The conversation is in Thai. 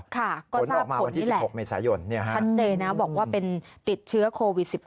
ค่ะก็ทราบคนนี้แหละขนเจนะบอกว่าเป็นติดเชื้อโควิด๑๙